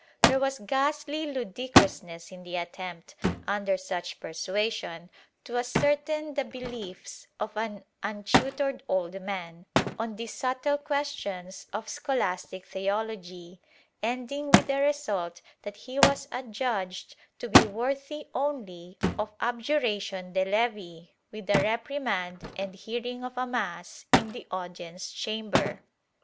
There was ghastly ludicrousness in the attempt, under such persuasion, to ascertain the beliefs of an imtutored old man, on these subtle questions of scholastic theology, ending with the result that he was adjudged to be worthy only of abjuration de levi, with a repri mand and hearing of a mass in the audience chamber.